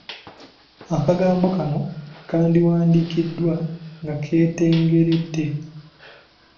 Akagambo kano kandiwandiikiddwa nga keetengeredde.